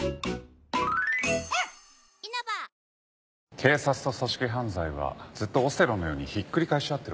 警察と組織犯罪はずっとオセロのようにひっくり返し合ってるわけです。